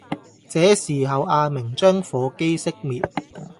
這時候阿明將火機熄滅